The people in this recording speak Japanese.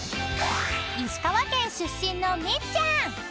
［石川県出身のみっちゃん］